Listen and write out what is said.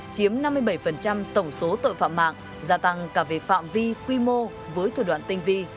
chiếm năm mươi bảy tổng số tội phạm mạng gia tăng cả về phạm vi quy mô với thủ đoạn tinh vi